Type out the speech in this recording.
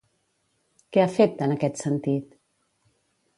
Què ha fet, en aquest sentit?